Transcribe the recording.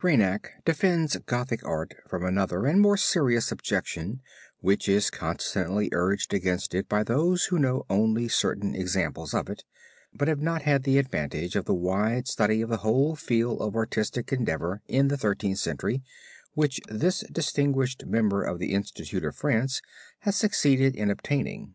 Reinach defends Gothic Art from another and more serious objection which is constantly urged against it by those who know only certain examples of it, but have not had the advantage of the wide study of the whole field of artistic endeavor in the Thirteenth Century, which this distinguished member of the Institute of France has succeeded in obtaining.